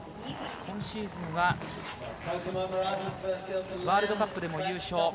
今シーズンはワールドカップでも優勝。